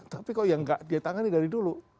tapi kok yang enggak ditangani dari dulu